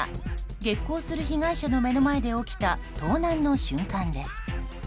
激高する被害者の目の前で起きた盗難の瞬間です。